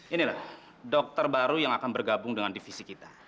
inilah dokter baru yang akan bergabung dengan divisi kita